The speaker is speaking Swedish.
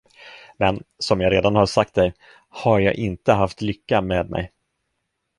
Men, som jag redan har sagt dig, har jag inte haft lycka med mig.